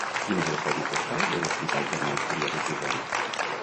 Quin és el codi postal de l'Hospital Germans Trias i Pujol?